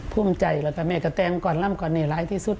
ภูมิใจแล้วแต่แม่ก็แตงก่อนล่ำก่อนนี่ร้ายที่สุด